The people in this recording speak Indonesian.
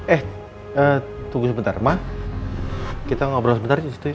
eh tunggu sebentar ma kita ngobrol sebentar disitu